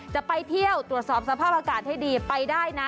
จะไปเที่ยวตรวจสอบสภาพอากาศให้ดีไปได้นะ